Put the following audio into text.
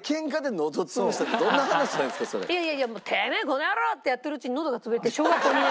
いやいやいやもう「てめえこの野郎」ってやってるうちにのどが潰れて小学校２年生。